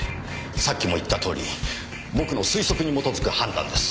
さっきも言ったとおり僕の推測に基づく判断です。